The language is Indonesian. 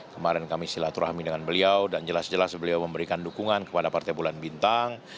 kemarin kami silaturahmi dengan beliau dan jelas jelas beliau memberikan dukungan kepada partai bulan bintang